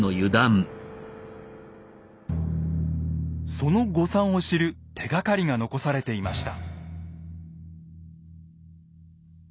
その誤算を知る手がかりが残されていました。